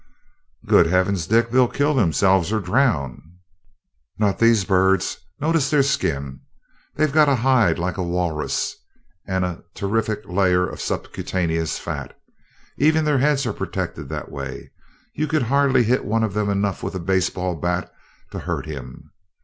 "Good heavens, Dick! They'll kill themselves or drown!" "Not these birds. Notice their skins? They've got a hide like a walrus, and a terrific layer of subcutaneous fat. Even their heads are protected that way you could hardly hit one of them enough with a baseball bat to hurt him.